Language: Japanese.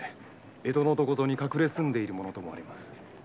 江戸のどこかに隠れ住んでいると思われます。